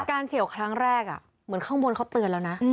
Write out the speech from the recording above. เฉียวครั้งแรกเหมือนข้างบนเขาเตือนแล้วนะ